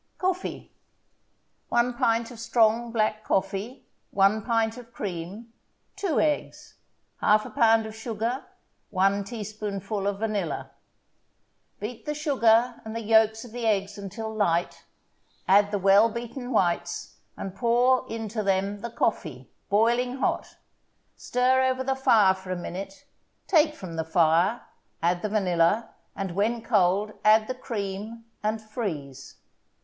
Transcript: COFFEE 1 pint of strong black coffee 1 pint of cream 2 eggs 1/2 pound of sugar 1 teaspoonful of vanilla Beat the sugar and the yolks of the eggs until light, add the well beaten whites, and pour into them the coffee, boiling hot. Stir over the fire for a minute, take from the fire, add the vanilla, and, when cold, add the cream, and freeze.